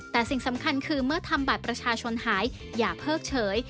แต่สิ่งสำคัญคือเมื่อทำบัตรประชาชนหายอย่าเพิกเฉย